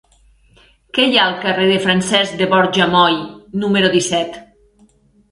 Què hi ha al carrer de Francesc de Borja Moll número disset?